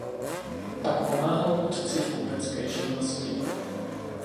Pak pomáhal otci v kupecké živnosti.